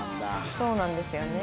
そうなんですよね。